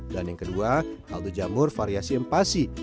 dan yang kedua kaldu jamur variasi empasi